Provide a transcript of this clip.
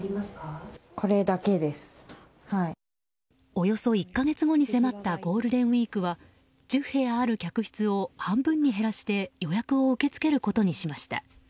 およそ１か月後に迫ったゴールデンウィークは１０部屋ある客室を半分に減らして予約を受け付けることにしました。